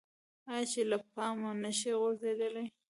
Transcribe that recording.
آیا چې له پامه نشي غورځیدلی؟